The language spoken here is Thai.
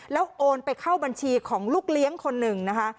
แล้วโอนไปเข้าบัญชีของลูกเลี้ยงคนหนึ่งนะคะ